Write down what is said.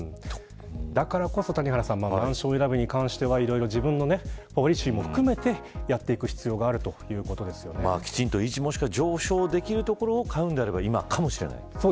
だからこそ、谷原さんマンション選びに関しては自分のポリシーも含めてやっていく必要があるきちんと維持もしくは上昇できるところを買うんであれば今かもしれない。